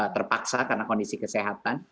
terpaksa karena kondisi kesehatan